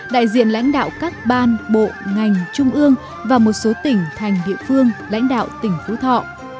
đại diện lãnh đạo các ban bộ ngành trung ương và một số tỉnh thành địa phương lãnh đạo tỉnh phú thọ